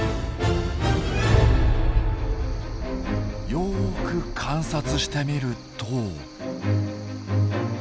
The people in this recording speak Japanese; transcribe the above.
よく観察してみると。